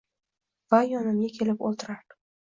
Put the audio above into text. Va yonimga kelib o’ltirar